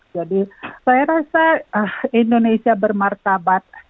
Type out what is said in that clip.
jadi saya rasa indonesia bermartabat